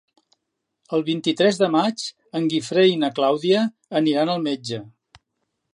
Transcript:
El vint-i-tres de maig en Guifré i na Clàudia aniran al metge.